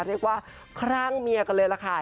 เรียกว่าคลั่งเมียกันเลยล่ะค่ะ